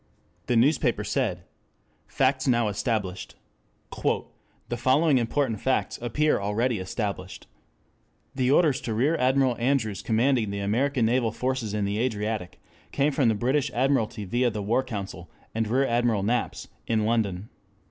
The newspaper said: FACTS NOW ESTABLISHED "The following important facts appear already established. The orders to Rear Admiral Andrews commanding the American naval forces in the Adriatic, came from the British Admiralty via the War Council and Rear Admiral Knapps in London.